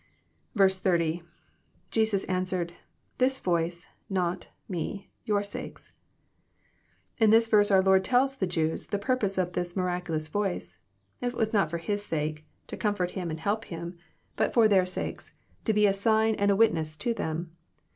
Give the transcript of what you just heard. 80. — [Jesus answered,.. This voice... not... me... your sakes."] In this verse our Lord tells the Jews the purpose of this miraculous voice. It was not for His sake,— to comfort Him and help Him j 1 85S EXFOBITOBT THOUGHTS* bnt for their sakes,— to be a sign and a witness to tbem.